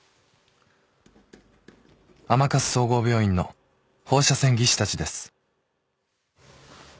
「甘春総合病院の放射線技師たちです」